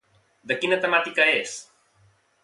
De quina temàtica és?